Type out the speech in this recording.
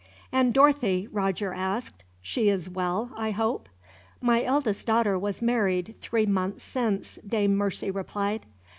"And Dorothy," Roger asked; "she is well, I hope." "My eldest daughter was married, three months since," Dame Mercy replied.